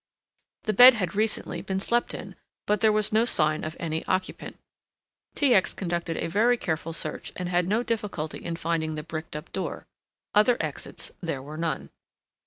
The bed had recently been slept in, but there was no sign of any occupant. T. X. conducted a very careful search and had no difficulty in finding the bricked up door. Other exits there were none.